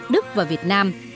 đức và việt nam